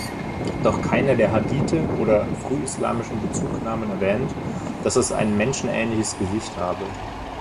Doch keiner der Hadithe oder frühislamischen Bezugnahmen erwähnt, dass es ein menschenähnliches Gesicht habe.